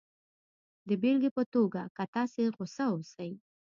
د بېلګې په توګه که تاسې غسه اوسئ